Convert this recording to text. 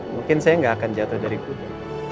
mungkin saya nggak bisa bernaik kuda